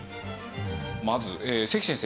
まず関先生。